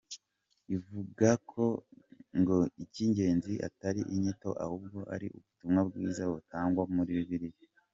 Ivuga ko ngo icy’ingenzi atari inyito ahubwo ari ubutumwa bwiza butangwa muri Bibiliya.